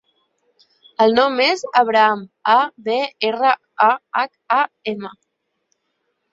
El nom és Abraham: a, be, erra, a, hac, a, ema.